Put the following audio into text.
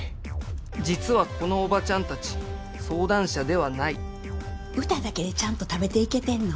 実はこのおばちゃん達相談者ではない歌だけでちゃんと食べていけてんの？